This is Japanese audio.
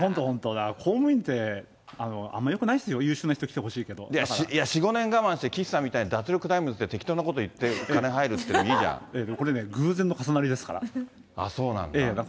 だから公務員って、あんまよくないですよ、優秀な人来てほしいけいや４、５年我慢して、岸さんみたいに脱力タイムズで適当なこと言って、これね、偶然の重なりですかそうなんだ。